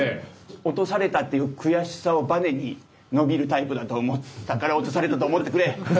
落とされたっていう悔しさをバネに伸びるタイプだと思ったから落とされたと思ってくれ！